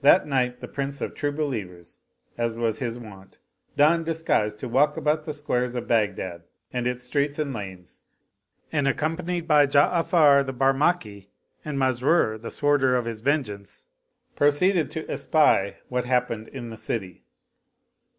That night the Prince of True Believers, as was his wont, donned disguise to walk about the squares of Baghdad and its streets and lanes and, accompanied by Ja'afar the Barmaki and Masrur the Sworder of his vengeance, pro ceeded to espy what happened in the city.